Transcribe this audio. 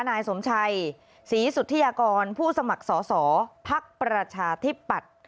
นายสมชัยศรีสุธิยากรผู้สมัครสอสอภักดิ์ประชาธิปัตย์